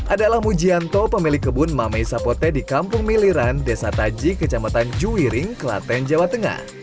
adalah mujianto pemilik kebun mamei sapote di kampung miliran desa taji kecamatan juwiring kelaten jawa tengah